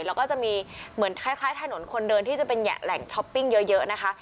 แล้วก็จะมีเหมือนคล้ายถนนคนเดินที่จะเป็นแหล่งช้อปปิ้งเยอะนะคะ